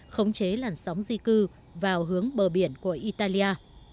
khống chế làn sóng di cư vào hướng bờ biển của italia